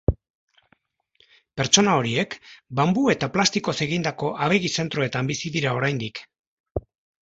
Pertsona horiek banbu eta plastikoz egindako abegi-zentrotan bizi dira oraindik.